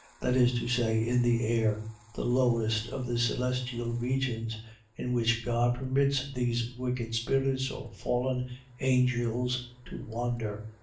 . .That is to say, in the air, the lowest of the celestial regions; in which God permits these wicked spirits or fallen angels to wander.